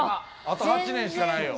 あと８年しかないよ。